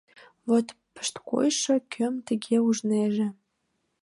— Вот пышткойшо, кӧм тыге ужнеже.